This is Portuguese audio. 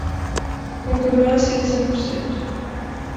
Concordância de cem por cento.